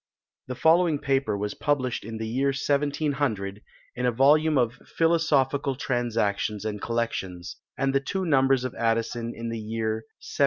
The following paper was published in the year 1700, in a volume of "Philosophical Transactions and Collections," and the two numbers of Addison in the year 1710.